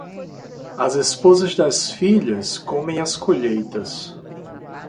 As esposas das filhas comem as colheitas.